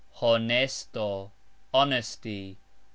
honesto : honesty.